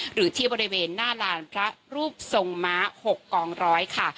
หรือที่บริเวณหน้าลานพระรูปทรงม้า๖กองร้อยค่ะ